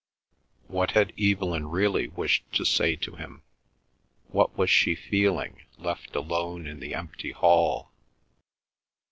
What had Evelyn really wished to say to him? What was she feeling left alone in the empty hall?